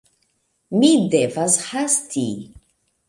Mi devas hasti.